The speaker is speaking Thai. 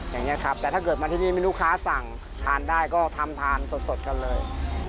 อย่างนี้ครับแต่ถ้าเกิดมาที่นี่มีลูกค้าสั่งทานได้ก็ทำทานสดกันเลย